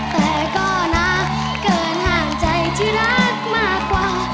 แต่ก็นะเกินห่างใจที่รักมากกว่า